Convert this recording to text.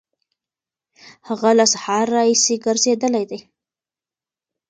هغه له سهاره راهیسې ګرځېدلی دی.